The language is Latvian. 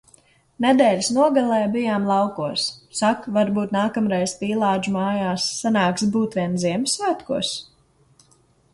Nedēļas nogalē bijām laukos. Sak, varbūt nākamreiz Pīlādžu mājās sanāks būt vien Ziemassvētkos?